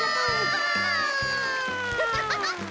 ハハハハ！